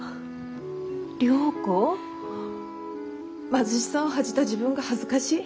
貧しさを恥じた自分が恥ずかしい。